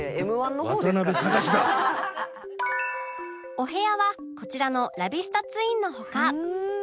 お部屋はこちらのラビスタツインの他